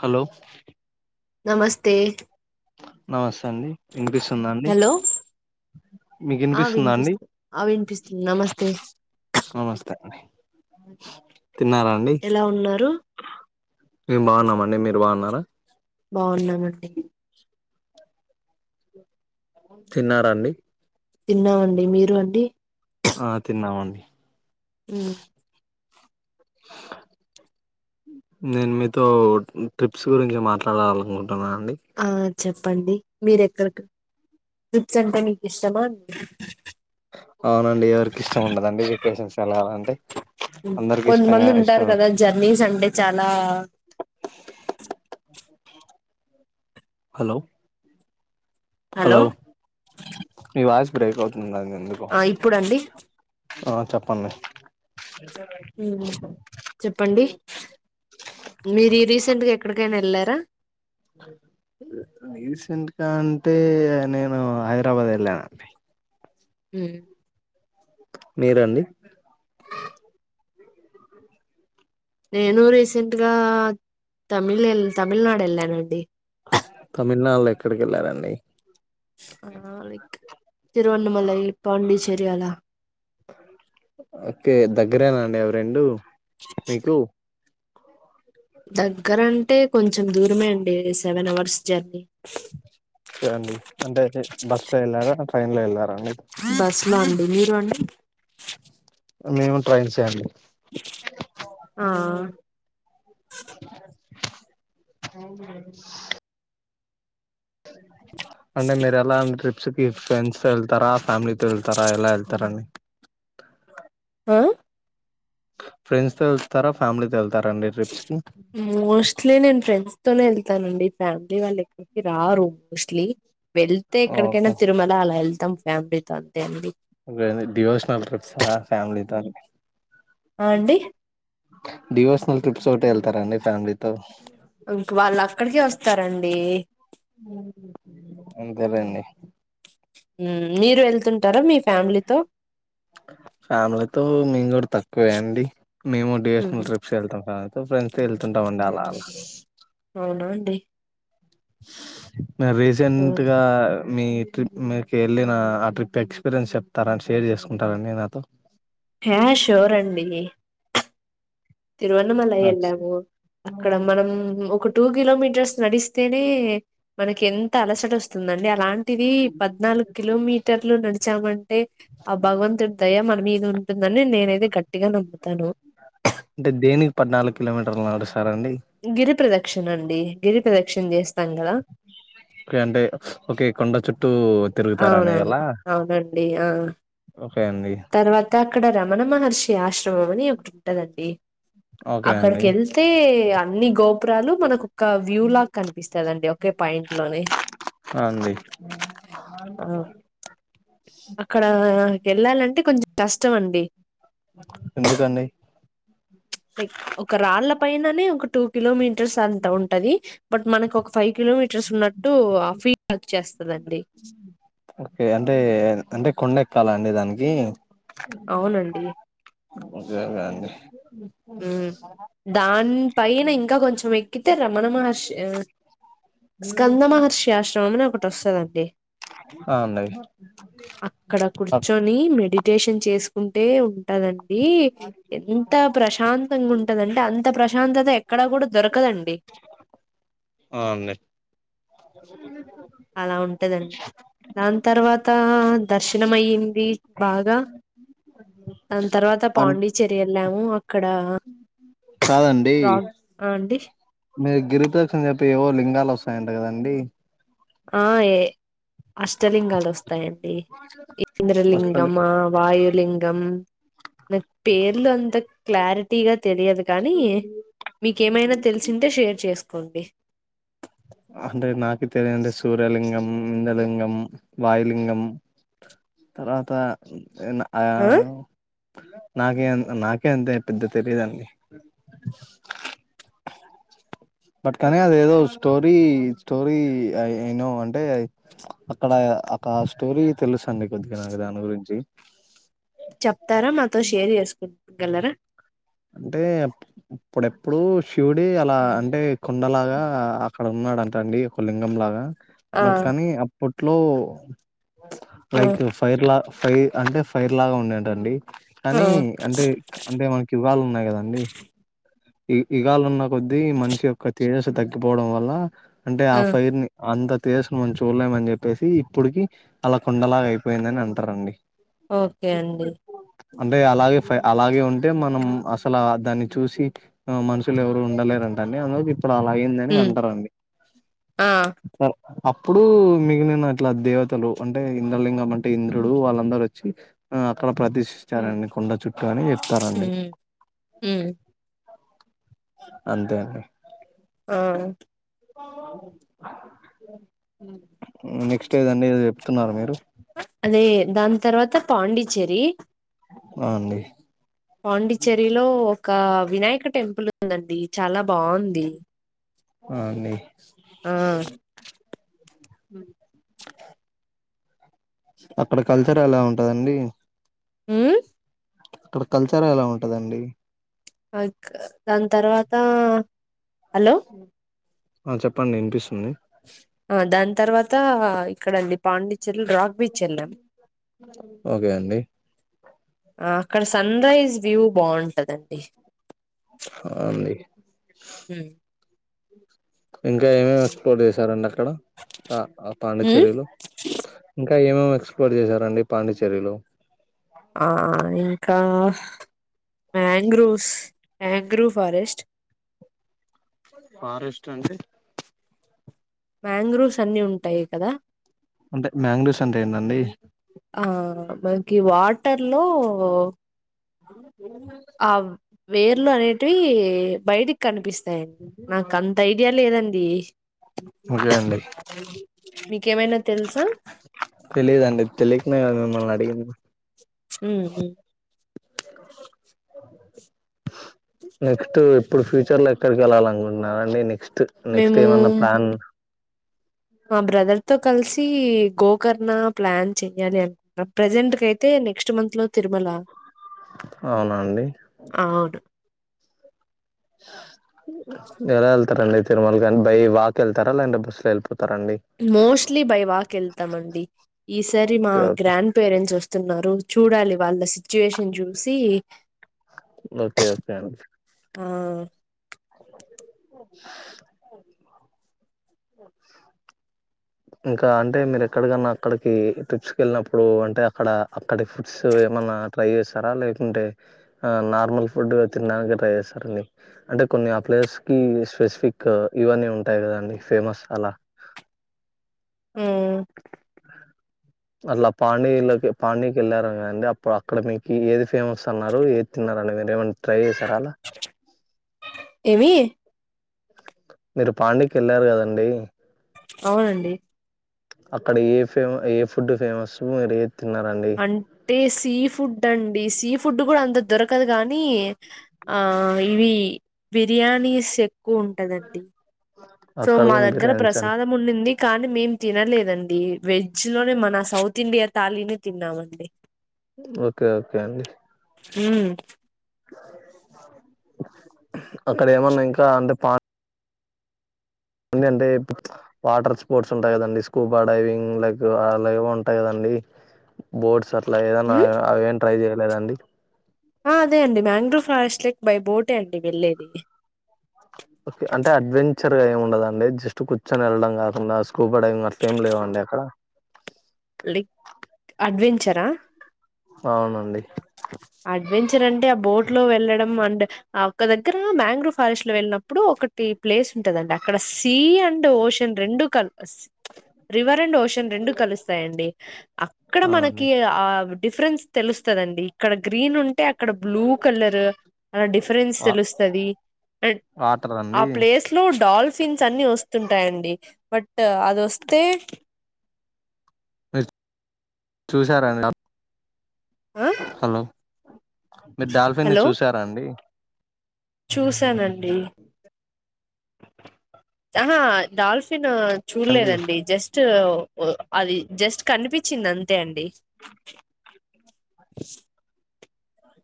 Hello నమస్తే నమస్తే అండి వినిపిస్తుందా అండి హలో మీకు ఆ వినిపిస్తుందా అండి వినిపిస్తుంది ఆ వినిపిస్తుంది నమస్తే నమస్తే అడి ఎలా ఉన్నారు మేము బాగున్నామండి మీరు బాగున్నారా బాగున్నామండి తిన్నారా అండీ తిన్నామండి మీరు అండి ఆ తిన్నామండి అ నేను మీతో ట్రిప్స్ గురించి మాట్లాడాలి అనుకుంటును అంటున్నా అండి ఆ చెప్పండి మీరు ఎక్కడికి ట్రిప్స్ అంటే మీకు ఇష్టమా అవునండి ఎవరికి ఇష్టం ఉండదండి వెకేషన్స్ వెళ్లాలంటే కొంతమంది ఉంటారు కదా జర్నీస్ అంటే చాలా హలో హలో ఈవాయిస్ బ్రేక్ అవుతు ఆ ఇప్పుడుండి ఆ చెప్పండి చెప్పండి మీరు ఈ రీసెంట్ గా ఎక్కడికైనా వెళ్ళారా రీసెంట్గా అంటే నేను హైదరాబాద్ వెళ్ళానుండి హ మీరండి నేను రీసెంట్గా తమిల్ ఎల్లి తమిళనాడు వెళ్ళానండి తమిళనాడులో ఎక్కడికి వెళ్ళారండి ఆ లైక్ తిరువణమల పాండిచ్చేరి అలా ఓకే దగ్గరేనా అండి ఎవ రెండు మీకు దగ్గరంటే కొంచెం దూరమే అండి సెవెన్ అవర్స్ జర్నీ చూడండి అంటే బస్ లో వెళ్లారా ట్రైన్ లో వెళ్ళారా అండి బస్ లో అండి మీరు అండి మేము ట్రైన్ సే అండి ఆ అవు అంటే మీరు ఎలా అన్ ట్రిప్స్ ఈ ఫ్రెండ్స్ వెళ్తారా ఫ్యామిలీతో వెళ్తారా ఎలా వెళ్తారండి ఆ ఫ్రెండ్స్ తో వస్తారా ఫ్యామిలీ వెళ్తారా వెళ్తారండి ట్రిప్స్ కి మోస్ట్లీ నేను ఫ్రెండ్స్ తోనే వెళ్తానండి ఫ్యామిలీ వాళ్ళు ఎక్కడికి రారు మోస్ట్లీ వెళ్తే ఓకే ఎక్కడికైనా తిరుమల అలా ఎల్తా ఫ్యామిలీతో అంతే అండి డివోషన్సా ఫ్యామిలీతోని ఆ అండి డివోసనల్ ట్రిప్స్ ఒకటి వెళ్తారండి ఫ్యామిలీతో ఇంక వాళ్ళు అక్కడికె వస్తారండి అంతేలేండి మ్ మీరు వెళ్తుంటారా మీ ఫ్యామిలీతో ఫ్యామిలీతో మేము కూడా తక్కువే అండి మేము మ్మ్. డివేషనల్ ట్రిప్స్ వెళ్తాం ఫ్యామిలి ఫ్రెండ్స్ తో వెళ్తుంటామండి అలా అలా ఉండవండి నా మ్మ్. రీసెంట్గా మీ ట్రిప్ మీకు వెళ్ళిన ఆ ట్రిప్ ఎక్స్పీరియన్స్ చెప్తారా షేర్ చేసుకుంటారండి నాతో యా షూర్ తిరువన్నమలా అచ్చ. వెళ్ళాము అక్కడ మనం ఒక టూ కిలోమీటర్స్ నడిస్తేనే మనకి ఎంత అలసట వస్తుందండి అలాంటి ది పద్నాలుగు కిలోమీటర్లు నడిచామంటే ఆ భగవంతుడి దయ మన మీ ఉంటుందని నేనయితే గట్టిగా నమ్ముతాను అంటే దేనికి పద్నాలుగు కిలోమీటర్లు నడుస్ గిరి ప్రదక్షణ అండి గిరి ప్రదక్షణ చేస్తాం కదా అంటే ఓకే కొండ చుట్టు తిరుగుతారా అండి అవునవును ఎలా అవునండి ఆ తర్వాత అక్కడ రమణ మహర్షి ఆశ్రమం అని ఒకటి ఉంటదండీ ఓకే అండి అక్కడికి వెళ్తే అన్ని గోపురాలు మన ఒక వ్యూ లాగా కనిపిస్తందండి ఒకే పాయింట్ లోని ఆ అండి అక్కడ వెళ్ళాలంటే కొంచెం కష్టం అండి ఎందుకండి ప్చ్ లైక్ ఒక రాళ్ళ పైననే ఒక టూ కిలోమీటర్స్ అంతా ఉంటది బట్ మనకు ఒక ఫైవ్ కిలోమీటర్స్ ఉన్నట్టు ఆ ఫీక్ వర్క్ చేస్తందండి ఓకే అంటే అంటే కొండ ఎక్కాలా అండి దానికి అవునండి సరే అండి ఉ దాని పైన ఇంకా కొంచెం ఎక్కితే రమణ మహర్షి స్కంద మహర్షి ఆశ్రమం అని ఒకటి వస్తదండి ఆ అండి అక్కడ అప్ కూర్చొని మెడి టేషన్ చేసుకుంటే ఉంటదండి ఎంత ప్రశాంతంగా ఉంటదంటే అంత ప్రశాంతత ఎక్కడా కూడా దొరకదండి అ అండి అలా ఉంటదండి దాని తర్వాత దర్శనం అయింది బాగా దాని తర్వాత అ పాండిచ్చేరి వెళ్ళాము అక్కడ కాదండి రా ఆ అండి మీరు గిరుప్రదక్షణ చెప్పి ఏవో లింగాలు వస్తాయట కదండి ఆ ఏ అష్టలింగాలు వస్తాయండి అసలు ఇంద్రలింగమా వాయులింగం పేర్లు అంత క్లారిటీగా తెలియదు కానీ మీకేమైనా తెలిసింటే షేర్ చేసుకోండి అంటే నాకు తెలియదు టే సూర్యలింగం ఇందలింగం వయులింగం తర్వాత ఆ నాకే నాకే అంతే పెద్ద తెలియదండి బట్ కానీ అది ఏదో స్టోరీ స్టోరీ అయినో అంటే అక్కడ ఒక స్టోరీ తెలుసు అండి కొద్దిగా నాకు దాని గురించి చెప్తారా మాతో షేర్ చేసుకుగలరా అంటే అప్పుడెప్పుడు శివుడి అలా అంటే కొండలాగా అక్కడ ఉన్న న్నాడంట అండి ఒక లింగం లాగా ఆ బట్ కానీ అప్పట్లో ఆ లైక్ ఫైర్ లా ఫైర్ అంటే ఫైర్ లాగా ఉండేంటండి ఆ కానీ అంటే అంటే మనకి వాళు ఉన్నాయి కదండి ఈ ఇగాలు ఉన్న కొద్ద్దీ మనిషి యొక్క తేజస్ తగ్గిపోవడం వల్ల అంటే ఆ ఫైర్ ని అంత తేజస్సు మనం చూడలేమని చెప్పేసి ఇప్పడికి అలా కుండలాగా అయిపోయిందని అంటారండి ఓకే అండి అంటే అలాగే ఫై అలాగే ఉంటే మ మనం అసలు దాన్ని చూసి మనుషులు ఎవరు ఉండలేరట అందులో ఇప్పుడు అలా అయిందని ఉమ్ అంటారండి ఆ అప్పుడు మిగిలిన అట్లా దేవతలు అంటే ఇంద్రలింగం అంటే ఇంద్రుడు వాళ్ళందరుూ వచ్చి ఆ అక్కడ ప్రదర్శిస్తారండి కొండ చుట్టూ అని చెప్తారండి హ్మ్మ్ అంతే అండి ఆ నెక్స్ట్ ఏదండి చె చెస్తున్నారు మీరు లే దాని తర్వాత పాండిచ్చేరి ఆ అండి పాండిచ్చేరిలో ఒక వినాయక టెంపుల్ ఉందండి చాలా బాగుంది ఆ అండి ఆ అక్కడ కల్చర్ ఎలా ఉంటదండి హు అక్కడ కల్చర్ ఎలా ఉంటదండి దాని తర్వాత హలో ఆ చెప్పండి వినిపిస్తుంది ఆ దాని తర్వాత ఇక్కడండి పాండి చెల్ రగ్విీచ్ వెళ్ళాం ఓకే అండి ఆ అక్కడ సన్ రైజ్ వ్యూ బాగుంటదండి ఆ అండి ఇంకా ఏమేమి ఎక్స్ప్లోర్ చేసారండి అక్కడ పాండిచ్చేరిలో ఇంకా ఏ మి ఎక్స్ప్లోర్ చేశారండి పాండిచ్చేరిలో ఆ ఇంకా మా్యాంగ్రూవ్స్ మా్యాంగ్రూ్ ఫారెస్ట్ ఫారెస్ట్ అండి మాంగ్రూవ్స్ అన్ని ఉంటాయి కదా అంటే మ్యాంగడోస్ అంటే ఏందండి గీ వాటర్ లో అ ఆ వేర్లు అనేటివి బయటికి కనిపిస్తా యి నాకు అంత ఐడియా లేదండి కే అండి మీకేమైనా తెలుసా తెలిదుండి తెలియకనా కదా మిమ్మల్ని అడిగింది హ నెక్స్ట్ ఇప్పుడు ఫ్యూచర్ లో ఎక్కడికి వెళ్ళాలి అనుకుంటున్నండి నెక్స్ట్ నెక్స్ట్ మేము ఏమన్నా ప్లాన్ మా బ్రదర్ తో కలిసి గోకర్ణ ప్లాన్ చెయ్యాలి అనుకున్న ప్రెజెంట్ క అయితే నెక్స్ట్ మంత్ లో తిరుమల అవునండి అవును ఎలా వెళ్తారండి తిరుమలగాం బై వాక్ వెళ్తారలా అం బస్సులో వెల్పోతు మోస్ట్లీ బై వాక్ వెళ్తామ అండి ఈసారి మా ఓకే గ్రాండ్ పేరెంట్స్ వస్త స్తున్నారు చూడాలి వాళ్ళ సిచ్యువేషన్ చూసి ఓకే ఓకే ఆ [unintelligible] ఇంకా అంటే మీరు ఎక్కడికన్నా అక్కడికి ట్రిప్స్ క వెళ్ళినప్పుడు అంటే అక్కడ అక్కడి ఫుడ్స్ ఏమన్నా లే నల్ ఫ అే కొన్ని ఆ ప్లేసెస్ కి స్పెసిఫిక్ ఇవన్నీ ఉంటాయి కదండి ఫేమస్ అలా ఉ అట్లా పాండీలోకి పాండకి వెళ్ళారు కదండి అప్పుడు అక్కడ మీకు ఏది ఫేమస్ అన్నారు ఏ తిన్నారని మీరు ఏమన్నా ట్రై చేశారా అలా ఏమి మీరు పాడికి వెళ్ళారు కదండి అవునండి అక్కడ ఏ ఫేమ ఏ ఫుడ్ ఫేమస్ మీరు ఏ అంటే సీ ఫుడ్ అండి సీ ఫుడ్ కూడా అంత దొరకదు కాగానీ ఆ ఇవి బిర్యానీస్ ఎక్కువ ఉంటందండి సో అక్కడ మా కూడా దగ్గర బిర్యానీస్ ప్రసాదం ఉండింది కానీ మేం తినలేదండి వెజ్ లోనే మన సౌత్ ఇండియా తాళిని తిన్నామండి ఓకే ఓకే అండి హ అక్కడ ఏమన్నా ఇంకా అంటే పా అందు అంటే వాటర్ స్పోర్ట్స్ ఉంటాయి కదండి స్కూబా డైవింగ్ ల అలా ఉంటాయి కదండి బోర్డ్స్ అట్లా ఏదన్నా మ్మ్ అవ ఏం ట్రై చేయలేదండి అదే అండి మ్యాంగ్రో ఫారెస్ట్ లేక్ బై బోటే అండి వెళ్ళేది అంటే అడ్వెంచర్ గా ఏమి ఉండదండి జస్ట్ కూర్చొని వెళ్డం కాకుండా స్ప డంగ్ అట్లే ఏం లేవు అండి అక్కడ లైక్ అడ్వెన్ంచరా అవునండి అడ్వెంచర్ అంట అ ఆ బోట్ లో వెళ్ళడం అండ్ ఆ ఒకక్క దగ్గర మా్యాంగ్రో ఫారెస్ట్ లో వెళ్ళినప్పుడు ఒకటి ప్లేస్ ఉంటదండి అక్కడ సీ అండ్ ఓషన్ రెండు కల్ రివర్ అండ్ ఓషన్ రెండు కలుస్తాయిడి అక్కడ మనకి అవునండి ఆ డిఫరెన్స్ తెలుస్తుదండి అక్కడ గ్రీన్ ఉంటే అక్కడ బ్లూ కలర్ అలా డిఫరెన్స్ వా తెలుస్తుంది అండ్ వాటర్ ఆ అండి ప్లేస్ లో డాల్ఫ్ ఫిన్స్ అన్ని వస్తుంటాయండి బట్ అది వస్తే మీ చూసారాని ఆ హలో మీరు డాల్ఫిన్ని ని హలో చూసారా అండి చూసానండి ఆహా డాల్ఫిన్ అండి చూడలేదండి జస్ట్ ఓ అది జస్ట్ కనిపిచింది అంతే అండి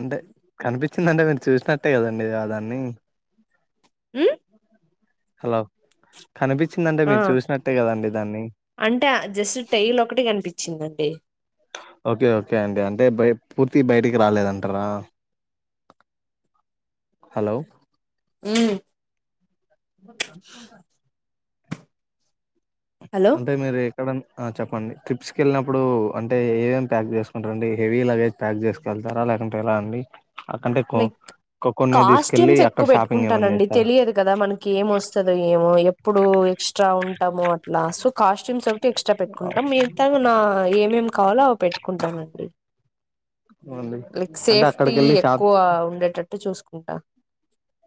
అంటే కనిపించిందంటే మీరు చూసినట్టే కదండి ఆ దాన్ని ఉం హలో కనిపించిందంటే ఆ మీరు చూసినట్టే కదండి దాన్ని చిందండి ఓకే ఓకే అండి అంటే పూర్తి బయటికి రాలేదంటారా హలో ఉం బ హలో అంటే మీరు ఆ చెప్పండి ట్రిప్స్ కి వెళ్ళినప్పుడు అంటే ఏవేం ప్యాక్ చేసుకుంటారుండి హెవీ లగేజ్ ప్యాక్ చేసు వెళ్తారా లేకంటే ఎలా అండి అక్కంటే ఎక్కువ లైక్ కాస్ట్యూమ్స్ ఎక్కువ పెట్టుకుంటానండి చేస్తారా తెలియదు కదా మనకి ఏమొస్తదో ఏమో ఇప్పుడు ఎ ఎక్స్ట్రా ఉంటామో అట్లా సో కాస్ట్యూమ్స్ ఒకటి ఎక్స్ట్రా పెట్టుకుంటాం మిగతా నా ఏమేమి కావాలో అ పె పెట్టుకుంటానండి అవునండి లైక్ అంటే సేఫ్టీ అక్కడికి వెళ్ళి షాప్ ఎక్కువ ఉండేటట్టు చూసుకుంటా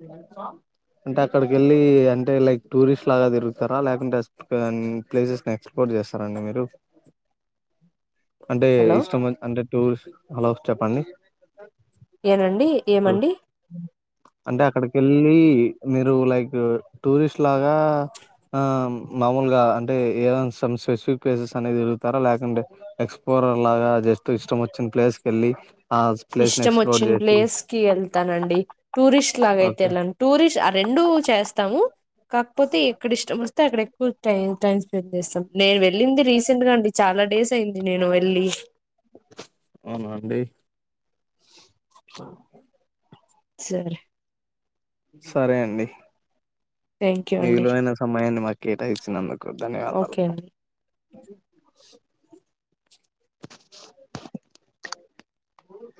[inaudible] అంటే అక్కడికి వెళ్ళి అంటే లైక్ టూరిస్ట్ లాగా తిరుగుతారా లేకుంటే ప్లేసెస్ ని ఎక్స్ప్లోర్ చేస్తారండి మీరు అంటే హలో ఇష్టం అంటే టూర్ అలా వ చెప్పండి ఏనండి ఏమండి అక్కడికి వెళ్ళి మీరు లైక్ టూరిస్ట్ లాగా ఆ మామూలుగా అంటే ఏ స్పెసిఫిక్ ప్లేసెస్ అనేది తరుగుతారా లేకుంటే ఎక్స్పో లాగా జస్ ఇష్టం వచ్చిన ప్లేస్ కెళ్ళి ఆ ప్లేస్ ని ఇష్టం ఎక్స్ప్లోర్ వచ్చిన చేసి ప్లేస్ కి వెళ్తానండి టూ టూరిస్ట్ లాగా అయితే ఓకే వెళ్ళను టూరిస్ట్ ఆ రెండు చేస్తాము కాకపోతే ఇక్కడ ఇష్టం వస్తే అక్కడ ఎక్కువ టై టైం స్పెండ్ చేస్తాం నేను వెళ్ళింది రీసెంట్ గా అండి చాలా డేస్ అయింది నేను వెళ్ళి స సరే సరే అండి థ్యాంక్ యూ మీ అండి విలువైన అయిన సమయాన్నీ మాకు కేటా ఇచ్చినందుకు కు ధన్యవాదాలు ఓకే అండి. అ